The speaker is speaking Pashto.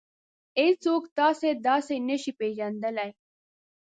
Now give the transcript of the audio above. هېڅوک تاسې داسې نشي پېژندلی.